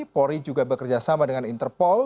pori juga bekerja sama dengan interpol